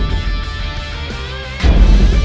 แกร่งจริง